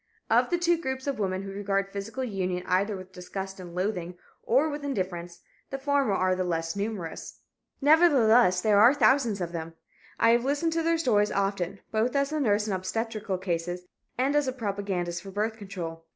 Of the two groups of women who regard physical union either with disgust and loathing, or with indifference, the former are the less numerous. Nevertheless, there are many thousands of them. I have listened to their stories often, both as a nurse in obstetrical cases and as a propagandist for birth control.